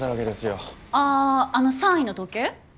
あああの３位の時計？